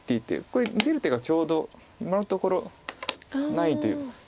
これ出る手がちょうど今のところないという。